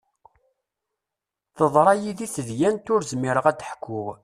Teḍra yidi tedyant ur zmireɣ ad ḥkuɣ.